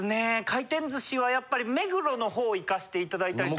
回転寿司はやっぱり目黒の方行かしていただいたり。